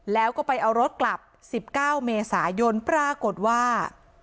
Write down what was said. แล้วก็ไปเอารถกลับ๑๙เมษายนปรากฏว่า